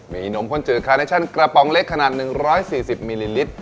มีนมข้นจืดคาเนชั่นกระป๋องเล็กขนาด๑๔๐มิลลิลิตร